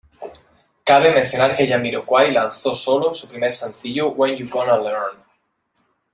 Cabe mencionar que Jamiroquai lanzó sólo su primer sencillo "When You Gonna Learn?